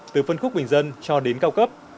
từ phân khúc bình dân cho đến cao cấp